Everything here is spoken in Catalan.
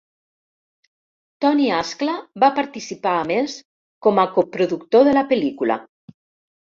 Toni Ascla va participar a més com a coproductor de la pel·lícula